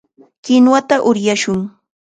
Kinuwata uryashun.